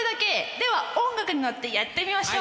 では音楽に乗ってやってみましょう。